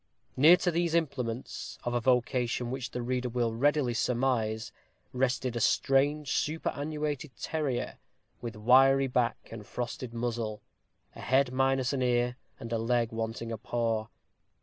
Near to these implements of a vocation which the reader will readily surmise, rested a strange superannuated terrier with a wiry back and frosted muzzle; a head minus an ear, and a leg wanting a paw.